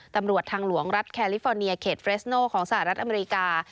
ตำรวจทางหลวงรัฐแคลิฟอร์เนียเขตเฟรสโนของสหรัฐอเมริกา